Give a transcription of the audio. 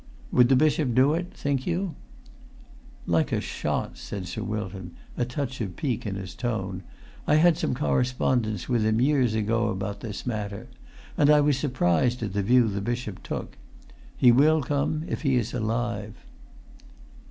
"Would the bishop do it, think you?" [Pg 346]"Like a shot," said Sir Wilton, a touch of pique in his tone. "I had some correspondence with him years ago about this matter, and I was surprised at the view the bishop took. He will come, if he is alive."